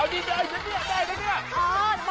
เอาดีได้ได้ได้ได้